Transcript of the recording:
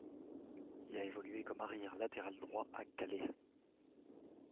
Il a évolué comme arrière latéral droit à Calais.